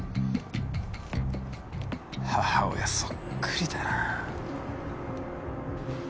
母親そっくりだな。